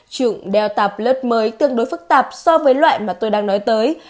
chủng delta plus mới tương đối phức tạp so với loại mà tôi đang nói tới